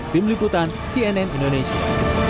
tim liputan cnn indonesia